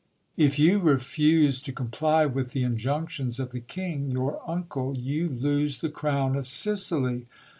If you refuse to comply with the injunctions of the king, your uncle, you lose the crown of Sicily.